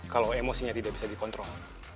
kalau emosinya tidak bisa dikontrol